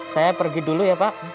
saya pergi dulu ya pak